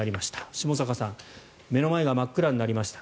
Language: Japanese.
下坂さん目の前が真っ暗になりました